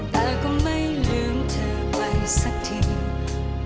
แต่ก็ไม่ลืมเธอไว้สักที